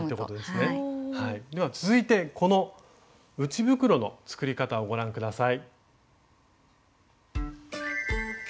では続いてこの内袋の作り方をご覧下さい。